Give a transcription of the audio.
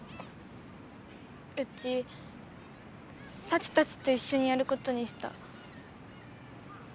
うちサチたちといっしょにやることにした。